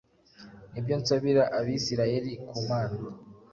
n’ibyo nsabira Abisirayeli ku Mana,